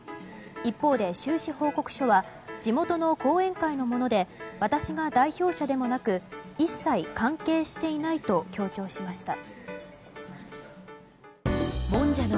一方で収支報告書は地元の後援会のもので私が代表者でもなく一切関係していないと強調しました。